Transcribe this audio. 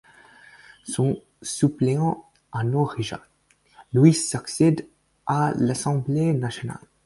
Son suppléant, Arnaud Richard, lui succède à l'Assemblée nationale.